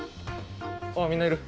あっみんないる。